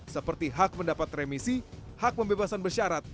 seperti hak mendapat remisi hak pembebasan bersyarat